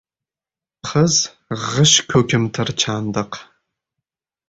Qiz- g‘ish-ko‘kimtir chandiq.